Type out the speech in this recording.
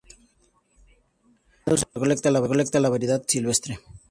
A menudo se recolecta la variedad silvestre.